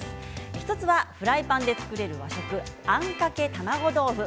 １つはフライパンで作れる和食あんかけ卵豆腐。